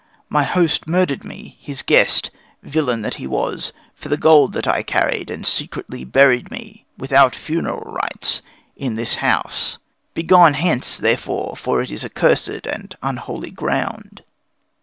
My host murdered me, his guest, villain that he was, for the gold that I carried, and secretly buried me, without funeral rites, in this house. Be gone hence, therefore, for it is accursed and unholy ground."